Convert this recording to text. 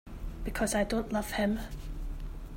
Because I don't love him.